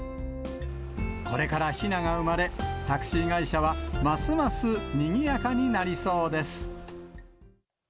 これからヒナが生まれ、タクシー会社はますますにぎやかになりそうです。